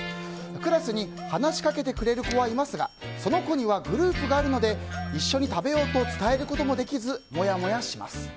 クラスに話しかけてくれる子はいますがその子にはグループがあるので一緒に食べようと伝えることもできずモヤモヤします。